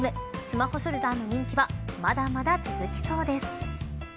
スマホショルダーの人気はまだまだ続きそうです。